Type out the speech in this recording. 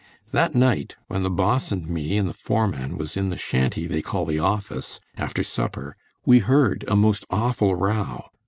That night, when the Boss and me and the foreman was in the shanty they call the office, after supper, we heard a most awful row.